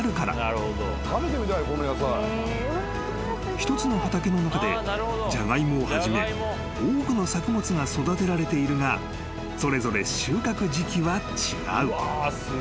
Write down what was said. ［一つの畑の中でジャガイモをはじめ多くの作物が育てられているがそれぞれ収穫時期は違う］